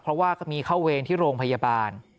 เพราะว่ามีเข้าเวรที่โรงพยาบาล